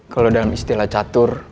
kalau dalam istilah catur